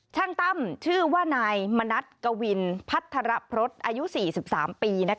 ตั้มชื่อว่านายมณัฐกวินพัฒระพฤษอายุ๔๓ปี